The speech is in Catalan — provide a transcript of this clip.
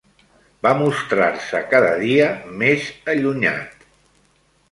Va mostrar-se cada dia, més allunyat